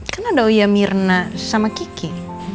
kan ada uya mirna sama kiki